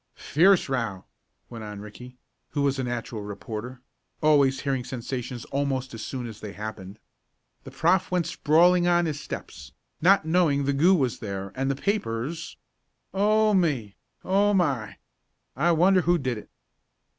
"Fierce row," went on Ricky, who was a natural reporter, always hearing sensations almost as soon as they happened. "The prof. went sprawling on his steps, not knowing the goo was there and the papers Oh me! Oh my! I wonder who did it?"